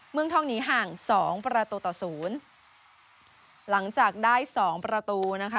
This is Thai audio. เมืองทองนี้ห่างสองประตูต่อศูนย์หลังจากได้สองประตูนะคะ